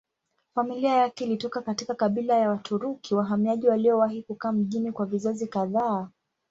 Familia yake ilitoka katika kabila ya Waturuki wahamiaji waliowahi kukaa mjini kwa vizazi kadhaa.